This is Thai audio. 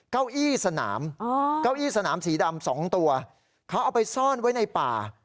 เก้าอี้สนามเก้าอี้สนามสีดำสองตัวเขาเอาไปซ่อนไว้ในป่า